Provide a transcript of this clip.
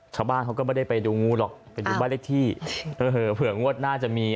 ชาวบ้านเขาก็ไม่ได้ไปดูงูหรอกเอ้าอื้อเผื่องวดน่าจะมี